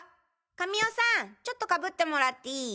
神尾さんちょっとかぶってもらっていい？